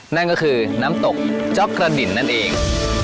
นั่นก็คือน้ำตกจ๊อกกระดิ่นนั่นเอง